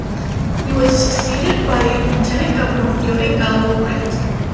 He was succeeded by Lieutenant Governor Fielding L. Wright.